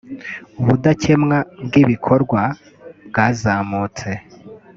ubudakemwa bw’ibikorwa bwazamutse